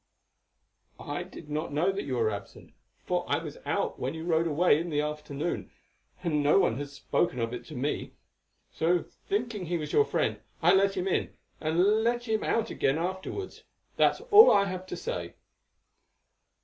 "I did not know that you were absent, for I was out when you rode away in the afternoon, and no one had spoken of it to me, so, thinking that he was your friend, I let him in, and let him out again afterwards. That is all I have to say."